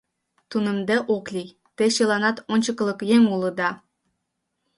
Тунемде ок лий, те чыланат ончыкылык еҥ улыда.